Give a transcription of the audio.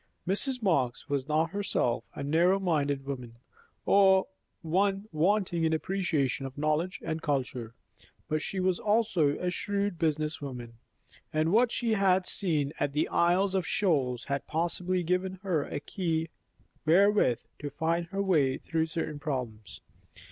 Mrs. Marx was not herself a narrow minded woman, or one wanting in appreciation of knowledge and culture; but she was also a shrewd business woman, and what she had seen at the Isles of Shoals had possibly given her a key wherewith to find her way through certain problems.